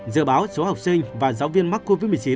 dự báo số học sinh và giáo viên mắc covid một mươi chín